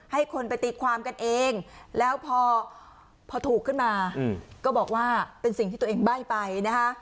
ให้คนไปตีความกันเองแล้วพอถูกขึ้นมาก็บอกว่าเป็นสิ่งที่ตัวเองใบ้ไปนะคะ